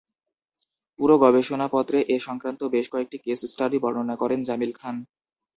পুরো গবেষণাপত্রে এ-সংক্রান্ত বেশ কয়েকটি কেস স্টাডি বর্ণনা করেন জামিল খান।